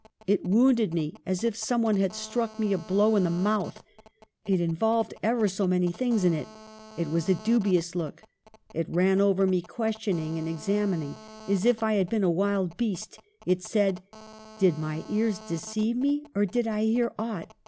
It wounded me, as if some one had struck me a blow in the mouth. It involved ever so many things in it. It was a dubious look. It ran over me, ques tioning and examining, as if I had been a wild beast. It said, ' Did my ears deceive me, or did I hear aught